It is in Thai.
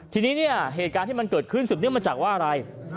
ทีนี้เนี่ยเหตุการณ์ที่มันเกิดขึ้นสืบเนื่องมาจากว่าอะไร